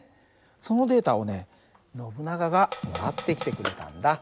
そのデータをねノブナガがもらってきてくれたんだ。